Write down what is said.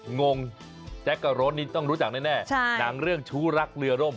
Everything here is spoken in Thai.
งงแจ๊กกับรถนี่ต้องรู้จักแน่หนังเรื่องชู้รักเรือร่ม